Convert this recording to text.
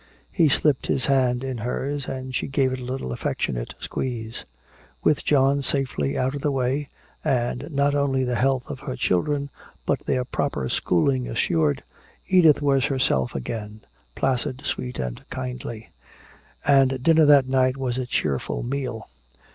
He slipped his hand in hers, and she gave it a little affectionate squeeze. With John safely out of the way, and not only the health of her children but their proper schooling assured, Edith was herself again, placid, sweet and kindly. And dinner that night was a cheerful meal.